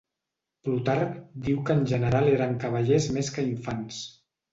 Plutarc diu que en general eren cavallers més que infants.